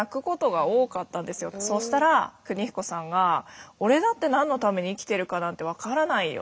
そしたら邦彦さんが「俺だって何のために生きてるかなんてわからないよ」